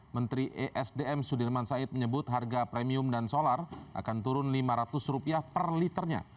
menteri esdm sudirman said menyebut harga premium dan solar akan turun rp lima ratus per liternya